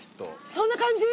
そんな感じ。